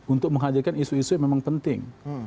untuk menghadirkan isu isu yang memang penting